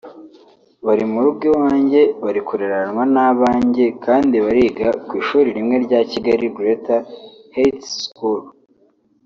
bari mu rugo iwanjye bari kureranwa n’abanjye kandi bariga ku ishuri rimwe rya Kigali Greater Heights School